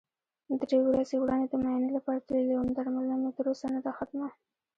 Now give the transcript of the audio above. درې ورځې وړاندې د معاینې لپاره تللی وم، درملنه مې تر اوسه نده ختمه.